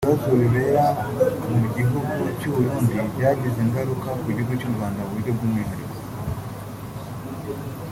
Ibibazo bibera mu gihugu cy’u Burundi byagize ingaruka ku gihugu cy’u Rwanda mu buryo bw’umwihariko